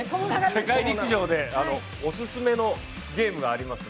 世界陸上でオススメのゲームがあります。